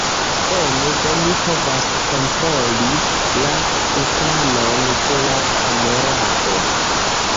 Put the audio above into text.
Bone, do mi povas kontroli la ekranon de la kamerao.